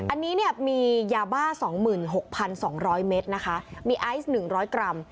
อันนี้เนี่ยมียาบ้าสองหมื่นหกพันสองร้อยเม็ดนะคะมีไอซ์หนึ่งร้อยกรัม